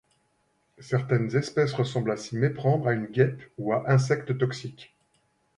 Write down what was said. Certaines espèces ressemblent à s'y méprendre à une guêpe ou à insecte toxique.